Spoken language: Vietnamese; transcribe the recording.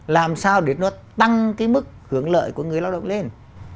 làm sao để nó tăng cái mức hưởng lợi của người lao động lên